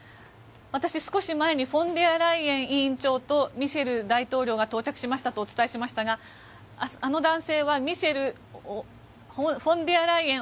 私、少し前にフォンデアライエン委員長とミシェル大統領が到着しましたとお伝えしましたがあの男性はフォンデアライエン